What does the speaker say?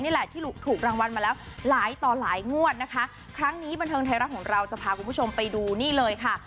นี่แหละที่ถูกรางวัลมาแล้วหลายต่อหลายงวดนะคะครั้งนี้บันเทิงไทยรัฐของเราจะพาคุณผู้ชมไปดูนี่เลยค่ะ